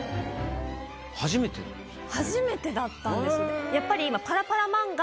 初めてだったんですやっぱり。